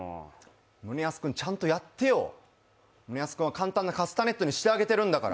宗安君ちゃんとやってよ、簡単なカスタネットにしてあげてるんだから。